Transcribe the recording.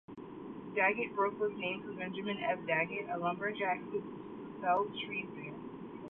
Daggett Brook was named for Benjamin F. Daggett, a lumberjack who felled trees there.